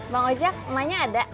bang ojak emaknya ada